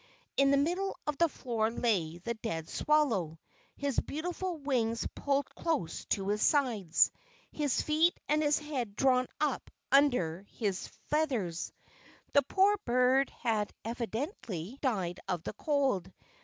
In the middle of the floor lay the dead swallow, his beautiful wings pulled close to his sides, his feet and his head drawn up under his feathers. The poor bird had evidently died of the cold.